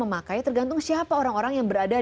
memakai tergantung siapa orang orang yang berada